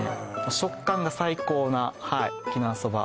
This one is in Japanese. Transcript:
食感が最高な沖縄そば